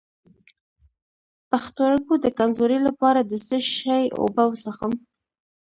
د پښتورګو د کمزوری لپاره د څه شي اوبه وڅښم؟